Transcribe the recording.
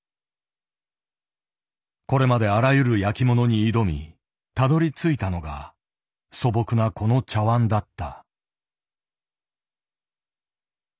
これまであらゆる焼きものに挑みたどりついたのが素朴なこの茶碗だった。